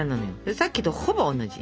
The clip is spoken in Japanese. さっきとほぼ同じ。